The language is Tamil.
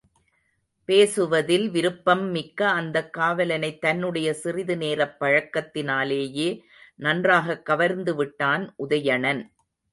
பேசுவதில் விருப்பம்மிக்க அந்தக் காவலனைத் தன்னுடைய சிறிது நேரப் பழக்கத்தினாலேயே நன்றாகக் கவர்ந்து விட்டான் உதயணன்.